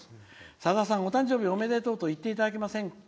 さださん、お誕生日おめでとうと言っていただけませんか。